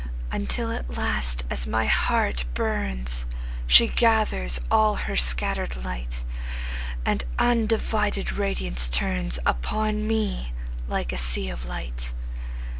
Until at last, as my heart burns, She gathers all her scatter'd light, And undivided radiance turnsUpon me like a sea of light.